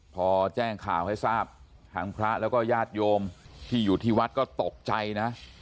พอแจ้งข่าวให้ทราบทางพระแล้วก็ญาติโยมที่อยู่ที่วัดก็ตกใจนะ